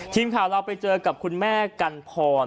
ทีมข่าวเราไปเจอกับคุณแม่กันพร